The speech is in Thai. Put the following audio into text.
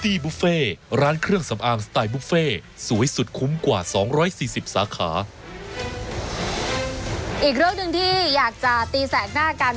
อีกเรื่องหนึ่งที่อยากจะตีแสกหน้ากัน